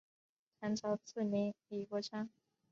唐朝赐名李国昌。